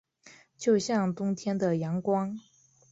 就像冬天的阳光